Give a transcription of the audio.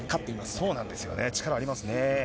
そうなんですよね、力ありますね。